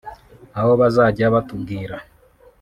aho bazajya batubwira